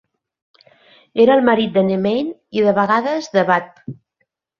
Era el marit de Nemain, i de vegades de Badb.